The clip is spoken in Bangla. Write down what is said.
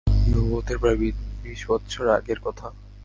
নবুয়তের প্রায় বিশ বৎসর আগের কথা।